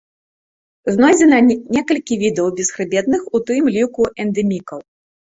Знойдзена некалькі відаў бесхрыбетных, у тым ліку эндэмікаў.